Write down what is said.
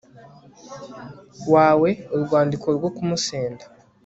wawe urwandiko rwo kumusenda